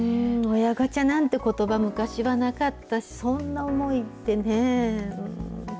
親ガチャなんてことば、昔はなかったし、そんな思いってね。